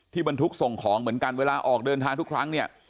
บรรทุกส่งของเหมือนกันเวลาออกเดินทางทุกครั้งเนี่ย